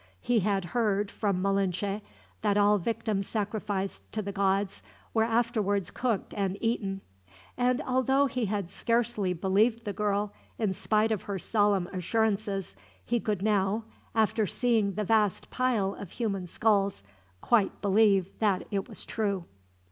He had heard, from Malinche, that all victims sacrificed to the gods were afterwards cooked and eaten; and although he had scarcely believed the girl, in spite of her solemn assurances, he could now, after seeing the vast pile of human skulls, quite believe that it was true.